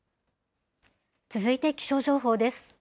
続いて気象情報です。